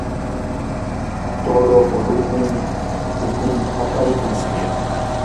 turupa runtu pukun hakaykan.